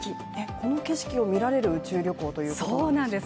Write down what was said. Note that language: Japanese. この景色を見られる宇宙旅行ということなんですよね。